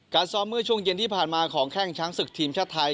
ซ้อมเมื่อช่วงเย็นที่ผ่านมาของแข้งช้างศึกทีมชาติไทย